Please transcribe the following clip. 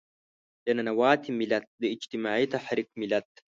د ننواتې ملت، د اجتماعي تحرک ملت.